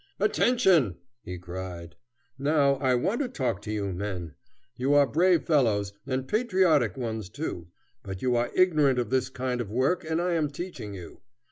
"Attention!" he cried. "Now I want to talk to you, men. You are brave fellows, and patriotic ones too, but you are ignorant of this kind of work, and I am teaching you.